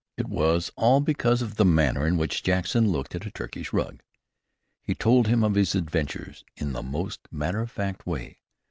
It was all because of the manner in which Jackson looked at a Turkish rug. He told him of his adventures in the most matter of fact way.